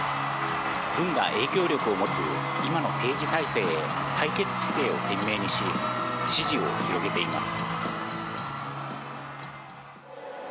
軍が影響力を持つ今の政治体制へ対決姿勢を鮮明にし、支持を広げています。